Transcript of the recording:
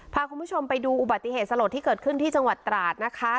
พาคุณผู้ชมไปดูอุบัติเหตุสลดที่เกิดขึ้นที่จังหวัดตราดนะคะ